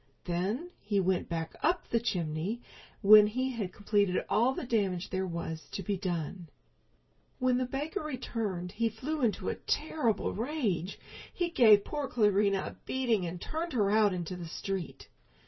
Then he went back up the chimney when he had completed all the damage there was to be done. When the baker returned he flew into a terrible rage. He gave poor Clarinha a beating and turned her out into the street.